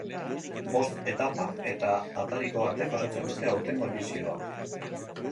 Bost etapak eta atariko batek osatzen dute aurtengo edizioa.